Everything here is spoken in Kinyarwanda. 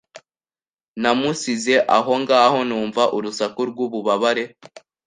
Namusize aho ngaho numva urusaku rw'ububabare